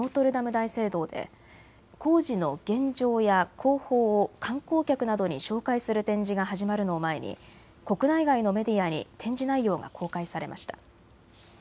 大聖堂で工事の現状や工法を観光客などに紹介する展示が始まるのを前に国内外のメディアに展示内容が公開されました。